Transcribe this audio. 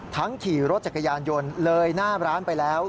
ขี่รถจักรยานยนต์เลยหน้าร้านไปแล้ว